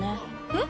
えっ？